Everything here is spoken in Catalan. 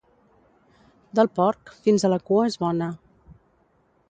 Del porc, fins a la cua és bona.